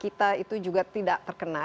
kita itu juga tidak terkena